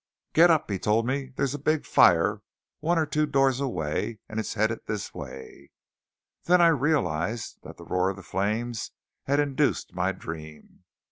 "Get up!" he told me. "There's a big fire one or two doors away, and it's headed this way." Then I realized that the roar of the flames had induced my dream.